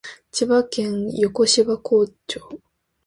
千葉県横芝光町